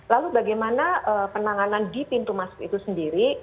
lalu bagaimana penanganan di pintu masuk itu sendiri